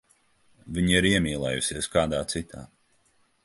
Viņa ir iemīlējusies kādā citā.